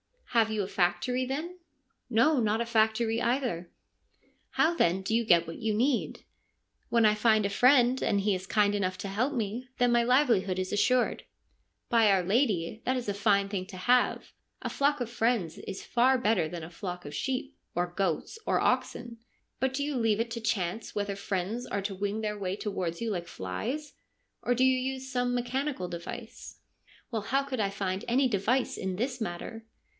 1 Have you a factory, then ?'' No, not a factory either.' ' How then do you get what you need ?'' When I find a friend, and he is kind enough to help me, then my livelihood is assured.' ' By our lady, that is a fine thing to have. A flock of friends is far better than a flock of sheep, or goats, or oxen. But do you leave it to chance whether friends are to wing their way towards you like flies, or do you use some mechanical device ?' 1 Why, how could I find any device in this matter